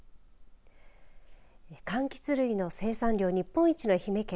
かんきつ類の生産量日本一の愛媛県。